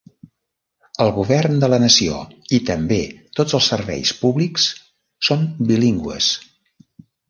El govern de la nació i també tots els serveis públics són bilingües.